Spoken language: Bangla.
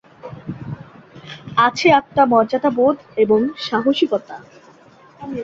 আছে আত্মমর্যাদাবোধ এবং সাহসিকতা।